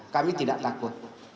kami tidak takut